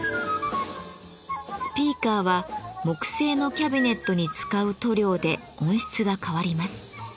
スピーカーは木製のキャビネットに使う塗料で音質が変わります。